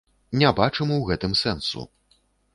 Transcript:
Не бачым у гэтым сэнсу.